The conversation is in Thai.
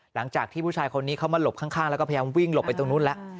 หลังจากที่ผู้ชายคนนี้เขามาหลบข้างแล้วก็พยายามวิ่งหลบไปตรงนู้นแล้ว